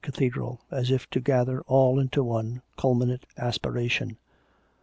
Cathedral, as if to gather all into one culminant aspira tion